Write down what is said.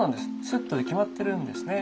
セットで決まってるんですね。